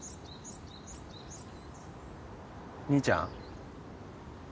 兄ちゃん？